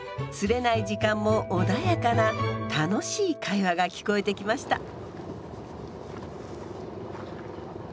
釣れない時間も穏やかな楽しい会話が聞こえてきました。